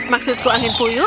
maksudku angin puyuh